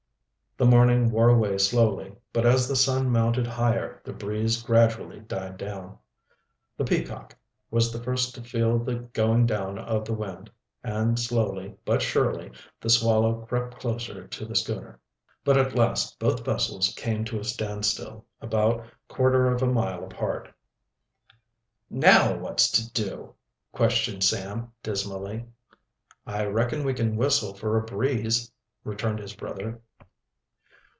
The morning wore away slowly, but as the sun mounted higher the breeze gradually died down. The Peacock was the first to feel the going down of the wind, and slowly, but surely, the Swallow crept closer to the schooner. But at last both vessels came to a standstill, about quarter of a mile apart. "Now what's to do?" questioned Sam dismally. "I reckon we can whistle for a breeze," returned his brother.